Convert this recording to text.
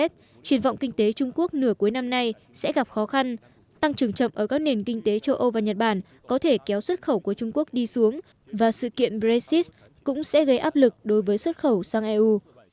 triển vọng kinh tế trung quốc nửa cuối năm nay sẽ gặp khó khăn tăng trưởng chậm ở các nền kinh tế châu âu và nhật bản có thể kéo xuất khẩu của trung quốc đi xuống và sự kiện brexit cũng sẽ gây áp lực đối với xuất khẩu sang eu